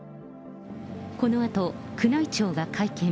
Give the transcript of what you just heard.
このあと、宮内庁が会見。